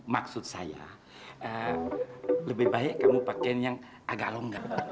maksud saya lebih baik kamu pakai yang agak longgang